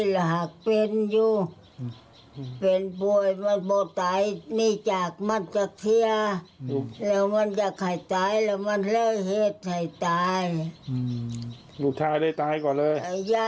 ลูกชายได้ตายก่อนเลย